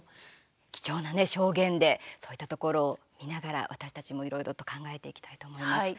貴重なね、証言でそういったところを見ながら私たちも、いろいろと考えていきたいと思います。